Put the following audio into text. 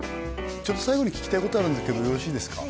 ちょっと最後に聞きたいことあるんですけどよろしいですか？